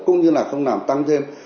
cũng như là không làm tăng thêm